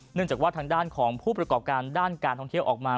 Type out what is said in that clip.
เนื่องจากว่าทางด้านของผู้ประกอบการด้านการท่องเที่ยวออกมา